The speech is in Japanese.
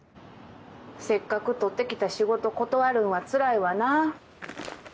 せっかく取ってきた仕事断るんはつらいわな。